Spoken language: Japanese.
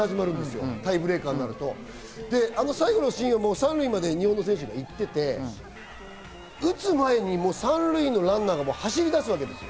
最後のシーンは３塁まで日本の選手が行っていて、打つ前に３塁のランナーが走り出す。